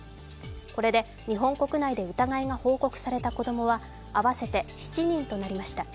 これで、日本国内で疑いが報告された子供は合わせて７人となりました。